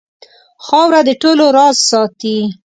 خاوره د ټولو راز ساتي.